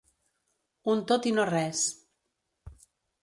Un tot i no res.